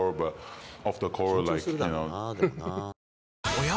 おや？